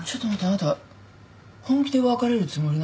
あなた本気で別れるつもりなの？